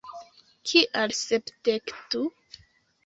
Kial Sepdek du?